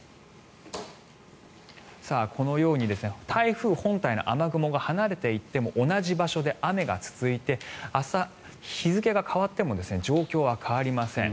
このように台風本体の雨雲が離れていっても同じ場所で雨が続いて日付が変わっても状況は変わりません。